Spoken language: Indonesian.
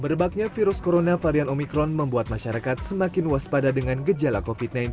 merebaknya virus corona varian omikron membuat masyarakat semakin waspada dengan gejala covid sembilan belas